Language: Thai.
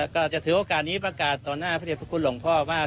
ก็จะถือโอกาสนี้ประกาศต่อหน้าพระเด็จพระคุณหลวงพ่อมาก